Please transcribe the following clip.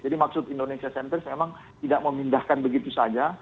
jadi maksud indonesia centris memang tidak memindahkan begitu saja